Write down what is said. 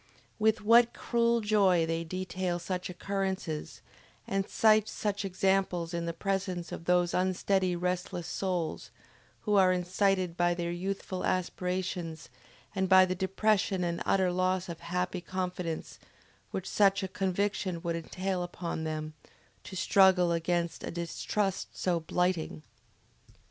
With what cruel joy they detail such occurrences, and cite such examples in the presence of those unsteady restless souls, who are incited by their youthful aspirations and by the depression and utter loss of happy confidence which such a conviction would entail upon them, to struggle against a distrust so blighting!